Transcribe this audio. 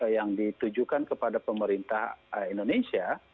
yang ditujukan kepada pemerintah indonesia